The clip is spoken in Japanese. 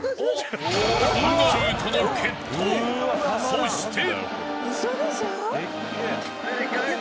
［そして］